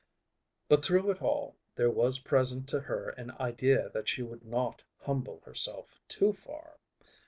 But through it all there was present to her an idea that she would not humble herself too far.